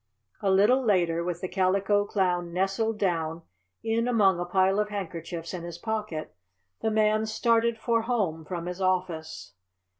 A little later, with the Calico Clown nestled down in among a pile of handkerchiefs in his pocket, the Man started for home from his office.